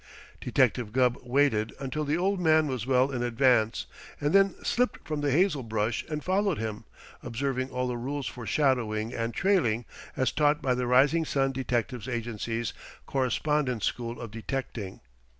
Detective Gubb waited until the old man was well in advance, and then slipped from the hazel brush and followed him, observing all the rules for Shadowing and Trailing as taught by the Rising Sun Detective Agency's Correspondence School of Detecting.